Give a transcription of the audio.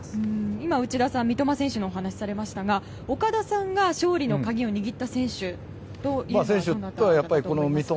今、内田さん三笘選手のお話をされましたが岡田さんが勝利の鍵を握った選手というのは。三笘。